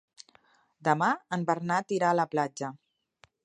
Demà en Bernat irà a la platja.